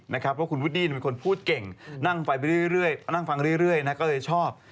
เพราะคุณวุดดี้เป็นคนพูดเก่งนั่งฟังเรื่อยก็เลยชอบ